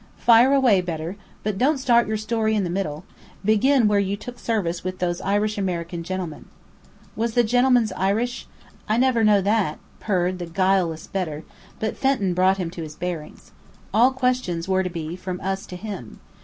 "Fire away, Bedr. But don't start your story in the middle. Begin where you took service with these Irish American gentlemen." "Was the genlemens Irish? I never know that," purred the guileless Bedr; but Fenton brought him to his bearings. All questions were to be from us to him.